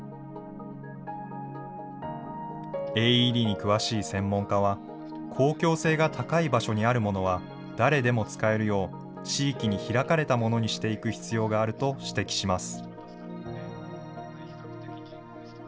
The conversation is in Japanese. ＡＥＤに詳しい専門家は、公共性が高い場所にあるものは誰でも使えるよう、地域に開かれたものにしていく必要があると指摘します。